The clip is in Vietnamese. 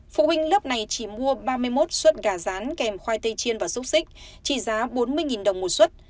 phụ huynh lớp này chỉ mua ba mươi một suất gà rán kèm khoai tây chiên và xúc xích trị giá bốn mươi đồng một xuất